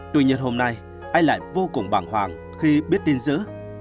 tuy nhiên hôm nay anh lại vô cùng bàng hoàng khi biết tin dữ